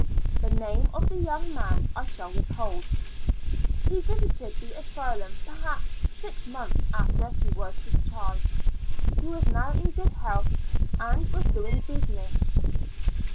The name of the young man I shall withhold. He visited the asylum perhaps IN A L UNA TIC A STL XBL 137 six months after he was discharged. He was now in good healthy and was doing business.